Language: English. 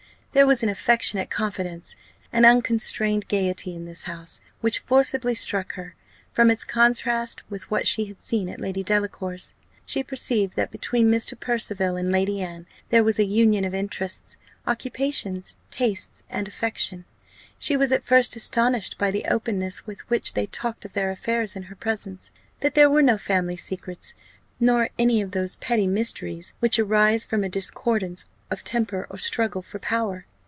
There was an affectionate confidence, an unconstrained gaiety in this house, which forcibly struck her, from its contrast with what she had seen at Lady Delacour's. She perceived that between Mr. Percival and Lady Anne there was a union of interests, occupations, taste, and affection. She was at first astonished by the openness with which they talked of their affairs in her presence; that there were no family secrets, nor any of those petty mysteries which arise from a discordance of temper or struggle for power.